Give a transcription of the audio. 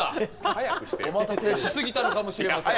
早くしてよ。お待たせしすぎたのかもしれません。